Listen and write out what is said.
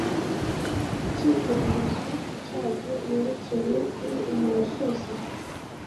icyitegerezo cyabyo werekewe kuri uyu musozi